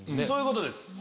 そういうことです。